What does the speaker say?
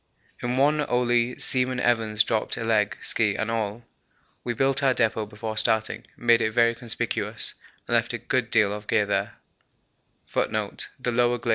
In one only Seaman Evans dropped a leg, ski and all. We built our depot before starting, made it very conspicuous, and left a good deal of gear there.